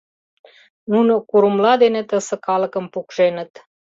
Нуно курымла дене тысе калыкым пукшеныт.